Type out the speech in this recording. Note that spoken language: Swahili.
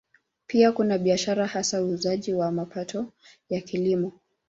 Pia kuna biashara, hasa uuzaji wa mapato ya Kilimo.